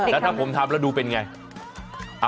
แล้วถ้าผมทำแล้วดูเป็นไง